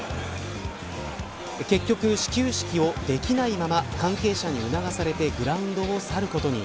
結局、始球式をできないまま関係者に促されてグラウンドを去ることに。